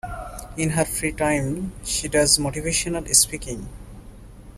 In her free time she does motivational speaking.